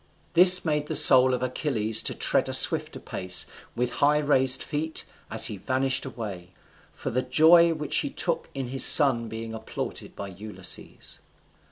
This made the soul of Achilles to tread a swifter pace, with high raised feet, as he vanished away, for the joy which he took in his son being applauded by Ulysses.